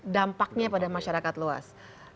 dampaknya pada masyarakat luas